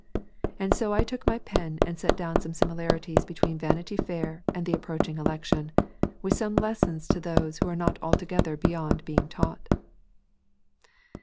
And so I took my pen and set down some similarities between Vanity Fair and the approaching election, with some lessons to those who are not altogether beyond being taught.